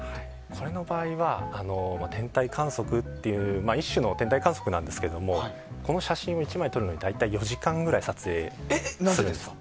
これの場合は一種の天体観測なんですけどこの写真を１枚撮るのに大体、４時間ぐらい撮影するんです。